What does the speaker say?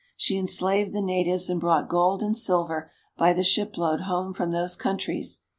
She enslaved the natives and brought gold and silver by the shipload home from those countries.